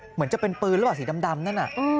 เหมือนจะเป็นปืนหรือเปล่าสีดำนั่นน่ะ